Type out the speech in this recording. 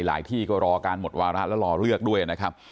ที่ก็รอการหมดวาระแล้วรอเลือกด้วยนะครับ